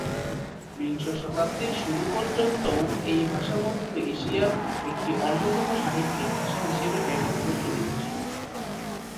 বিংশ শতাব্দীর শুরু পর্যন্তও এই ভাষা মধ্য এশিয়ার একটি অন্যতম সাহিত্যিক ভাষা হিসেবে ব্যাপক প্রচলিত ছিল।